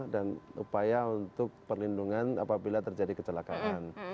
dan upaya untuk perlindungan apabila terjadi kecelakaan